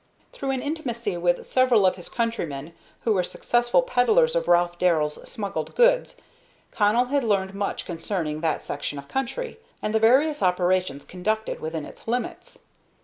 Through an intimacy with several of his countrymen who were successful peddlers of Ralph Darrell's smuggled goods, Connell had learned much concerning that section of country, and the various operations conducted within its limits.